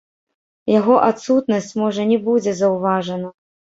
Яго адсутнасць, можа, не будзе заўважана.